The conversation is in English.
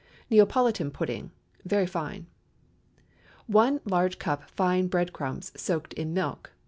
NEAPOLITAN PUDDING.—(Very fine.) ✠ 1 large cup fine bread crumbs soaked in milk.